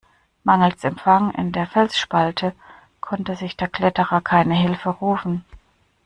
Mangels Empfang in der Felsspalte konnte sich der Kletterer keine Hilfe rufen.